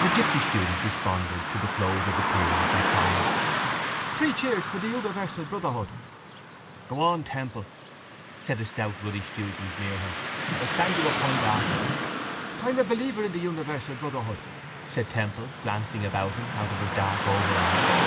The gipsy student responded to the close of the period by crying: —Three cheers for universal brotherhood! —Go on, Temple, said a stout ruddy student near him. I'll stand you a pint after. —I'm a believer in universal brotherhood, said Temple, glancing about him out of his dark oval eyes.